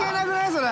それ。